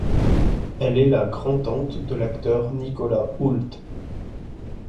Elle est la grand-tante de l'acteur Nicholas Hoult.